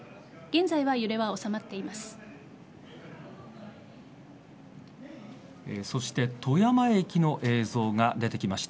現在は揺れは収まっています。